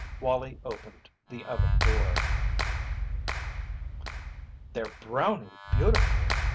Wallie opened the oven door. "They're browning beautifully!"